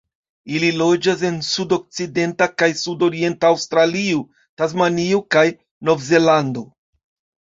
Ili loĝas en sudokcidenta kaj sudorienta Aŭstralio, Tasmanio, kaj Novzelando.